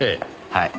はい。